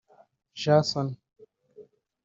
Jaxon